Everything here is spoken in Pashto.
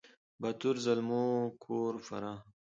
د باتور زلمو کور فراه